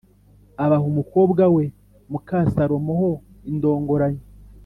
abaha umukobwa we muka Salomo ho indongoranyo